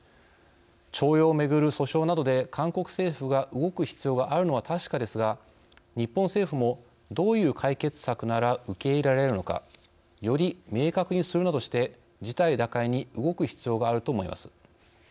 徴用をめぐる訴訟などで韓国政府が動く必要があるのは確かですが日本政府もどういう解決策なら受け入れられるのかより明確にするなどして事態打開に動く必要があると思います。